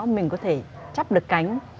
mình có thể chấp được cánh